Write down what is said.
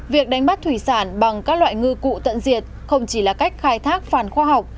việc đánh bắt thủy sản bằng các loại ngư cụ tận diệt không chỉ là cách khai thác phản khoa học